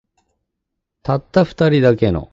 たった二人だけの